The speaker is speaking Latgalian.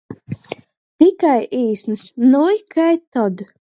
Tikai īsnys, nui, kai tod!